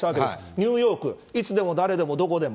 ニューヨーク、いつでも、誰でも、いどこでも。